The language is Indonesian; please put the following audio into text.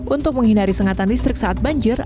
untuk menghindari sengatan listrik saat banjir